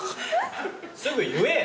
すぐ言え。